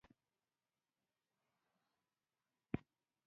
د ظاهر شکیب غوندي سړي به ورته شتیا کېده.